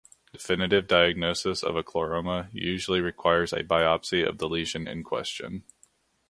Definitive diagnosis of a chloroma usually requires a biopsy of the lesion in question.